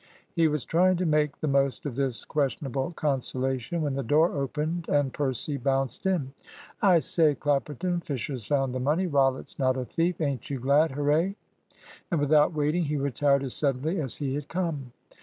He was trying to make the most of this questionable consolation when the door opened, and Percy bounced in. "I say, Clapperton; Fisher's found the money. Rollitt's not a thief. Ain't you glad? Hurray!" And, without waiting, he retired as suddenly as he had come.